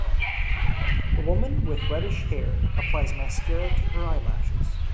A woman with reddish hair applies mascara to her eyelashes.